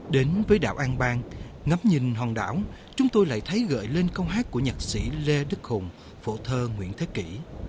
đến với đảo an bang ngắp nhìn hòn đảo chúng tôi lại thấy gợi lên câu hát của nhạc sĩ lê đức hùng phổ thơ nguyễn thế kỷ